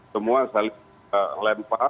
semua saling lempak